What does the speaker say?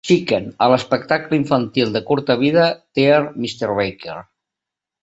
Chicken, a l'espectacle infantil de curta vida "Dear Mr. Barker".